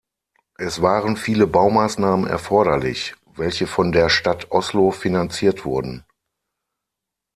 Es waren viele Baumaßnahmen erforderlich, welche von der Stadt Oslo finanziert wurden.